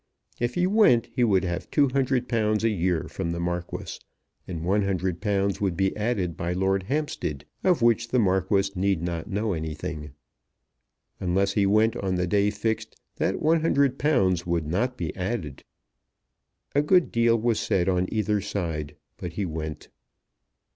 If he went he would have £200 a year from the Marquis, and £100 would be added by Lord Hampstead, of which the Marquis need not know anything. Unless he went on the day fixed that £100 would not be added. A good deal was said on either side, but he went.